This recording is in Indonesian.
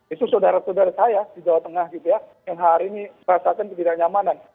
itu saudara saudara saya di jawa tengah gitu ya yang hari ini merasakan ketidaknyamanan